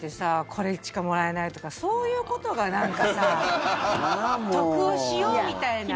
これしかもらえないとかそういうことがなんかさ得をしようみたいな。